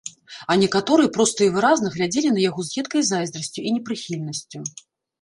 А некаторыя проста і выразна глядзелі на яго з едкай зайздрасцю і непрыхільнасцю.